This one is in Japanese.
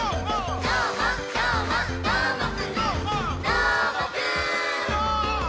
「どーもくん！」